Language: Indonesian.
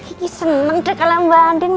kiki seneng sekali mbak andine